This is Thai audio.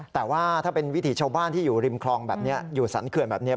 แต่ว่าถ้าเป็นวิถีชาวบ้านที่อยู่ริมคลองแบบนี้อยู่สรรเขื่อนแบบนี้